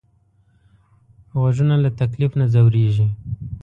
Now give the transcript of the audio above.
غوږونه له تکلیف نه ځورېږي